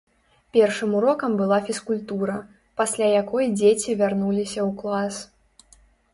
Першым урокам была фізкультура, пасля якой дзеці вярнуліся ў клас.